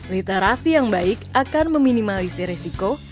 literasi yang baik akan meminimalisir resiko